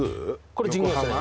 これ神宮ですね